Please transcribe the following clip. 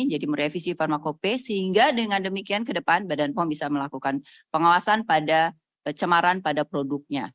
jadi merevisi pharmacope sehingga dengan demikian ke depan badan pom bisa melakukan pengawasan pada cemaran pada produknya